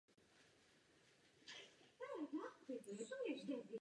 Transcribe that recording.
Čína není v žádném případě vyloučena.